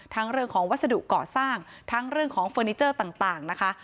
เรื่องของวัสดุก่อสร้างทั้งเรื่องของเฟอร์นิเจอร์ต่างนะคะ